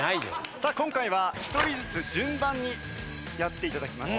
さあ今回は１人ずつ順番にやって頂きます。